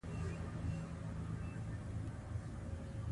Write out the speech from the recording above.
نسواري ورېجې او نسواري پاستا هم ښه بدیل دي.